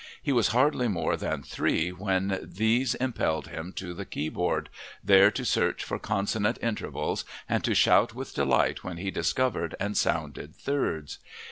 He was hardly more than three when these impelled him to the keyboard, there to search for consonant intervals and to shout with delight when he discovered and sounded thirds.